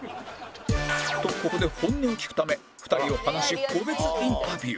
とここで本音を聞くため２人を離し個別インタビュー